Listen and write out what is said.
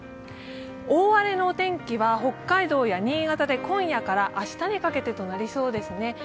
大荒れのお天気は北海道や新潟で今夜から明日にかけてとなりそうですね。